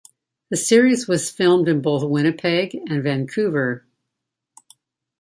The series was filmed in both Winnipeg and Vancouver.